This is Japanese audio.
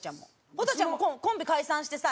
ホトちゃんもコンビ解散してさ